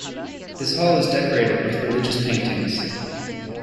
This hall is decorated with religious paintings.